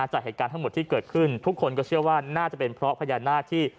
จากเหตุการณ์ทั้งหมดที่เกิดขึ้นทุกคนก็เชื่อว่าน่าจะเป็นเพราะพญานาคที่